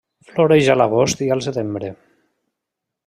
Floreix a l'agost i al setembre.